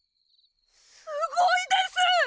すごいです！